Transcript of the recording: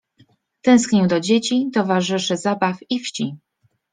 Tęsknił do dzieci, towarzyszy zabaw, i wsi.